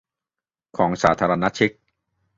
ของสาธารณรัฐเชก